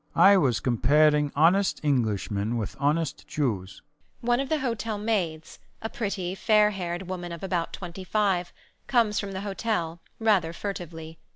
I was comparing honest Englishmen with honest Jews. One of the hotel maids, a pretty, fair haired woman of about 25, comes from the hotel, rather furtively.